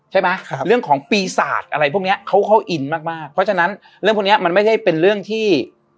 ใช่ไหมครับเรื่องของปีศาจอะไรพวกเนี้ยเขาเขาอินมากมากเพราะฉะนั้นเรื่องพวกนี้มันไม่ได้เป็นเรื่องที่